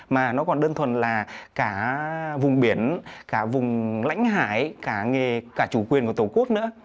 mà nó còn đơn thuần là cả vùng biển cả vùng lãnh hải cả nghề cả chủ quyền của tổ quốc nữa